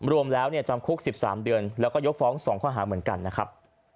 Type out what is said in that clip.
รวมแล้วจำคุก๑๓เดือนแล้วก็ยกฟ้อง๒ข้อหาเหมือนกันนะครับ